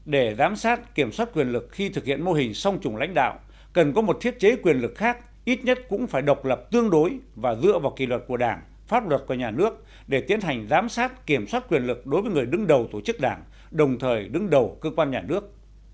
để giám sát kiểm soát quyền lực khi thực hiện mô hình song trùng lãnh đạo cần có một thiết chế quyền lực khác ít nhất cũng phải độc lập tương đối và dựa vào kỳ luật của đảng pháp luật của nhà nước để tiến hành giám sát kiểm soát quyền lực đối với người đứng đầu tổ chức đảng đồng thời đứng đầu cơ quan nhà nước